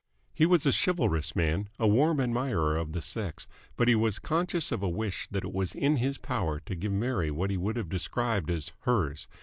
He was a chivalrous man, a warm admirer of the sex, but he was conscious of a wish that it was in his power to give Mary what he would have described as "hers."